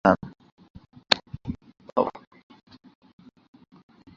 মেয়েদের রুখে দাঁড়াতে শেখান।